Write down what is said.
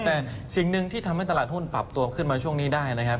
แต่สิ่งหนึ่งที่ทำให้ตลาดหุ้นปรับตัวขึ้นมาช่วงนี้ได้นะครับ